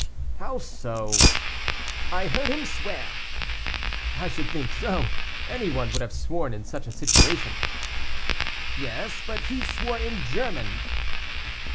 "How so?" "I heard him swear." "I should think so; any one would have sworn in such a situation." "Yes, but he swore in German."